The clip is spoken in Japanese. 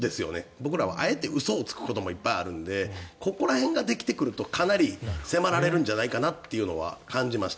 僕らはあえて嘘をつくこともいっぱいあるのでここら辺ができてくるとかなり迫られるんじゃないかと感じました。